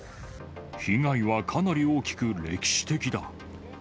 被害はかなり大きく歴史的だ。